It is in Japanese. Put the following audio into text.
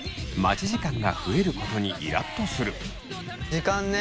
時間ね。